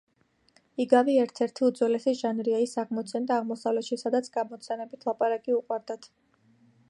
იგავი ერთ–ერთი უძველესი ჟანრია. ის აღმოცენდა აღმოსავლეთში, სადაც გამოცანებით ლაპარაკი უყვარდათ. იგავების